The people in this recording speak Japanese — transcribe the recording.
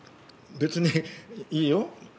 別にいいよ。